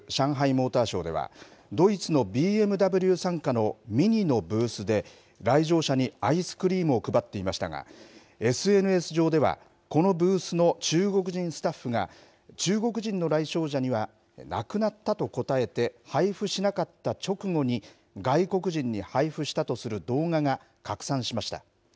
モーターショーでは、ドイツのＢＭＷ傘下のＭＩＮＩのブースで、来場者にアイスクリームを配っていましたが、ＳＮＳ上では、このブースの中国人スタッフが、中国人の来場者にはなくなったと答えて配布しなかった直後に外国人に配布したとする動画が拡散しました。